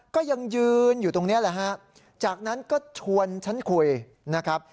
ก็ยังยืนอยู่ตรงนี้แหละฮะจากนั้นก็ชวนฉันคุยนะครับ